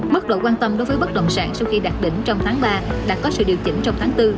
mức độ quan tâm đối với bất động sản sau khi đạt đỉnh trong tháng ba đã có sự điều chỉnh trong tháng bốn